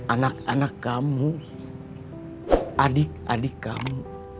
anak anak kamu adik adik kamu